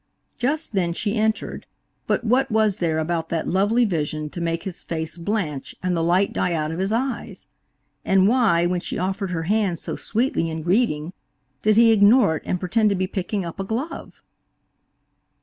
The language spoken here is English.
Just then she entered; but what was there about that lovely vision to make his face blanch and the light die out of his eyes? And why, when she offered her hand so sweetly in greeting did he ignore it and pretend to be picking up a glove?